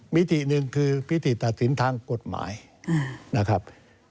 มิติหนึ่งคือพิธีตัดสินทางกฎหมายนะครับ